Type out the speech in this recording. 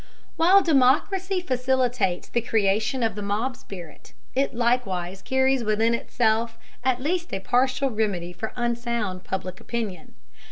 While democracy facilitates the creation of the mob spirit, it likewise carries within itself at least a partial remedy for unsound Public Opinion.